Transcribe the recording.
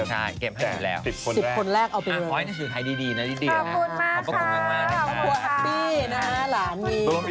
ใช่ก็จะเก็บให้อยู่แล้ว๑๐คนแล้ว